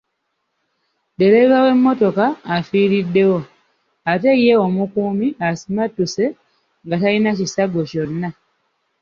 Ddereeva w’emmotoka afiiriddewo ate ye omukuumi asimattuse nga talina kisago kyonna.